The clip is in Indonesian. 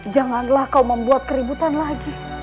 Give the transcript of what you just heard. janganlah kau membuat keributan lagi